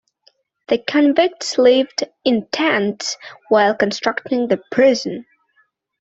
The convicts lived in tents while constructing the prison.